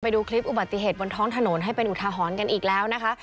ดูคลิปอุบัติเหตุบนท้องถนนให้เป็นอุทาหรณ์กันอีกแล้วนะคะ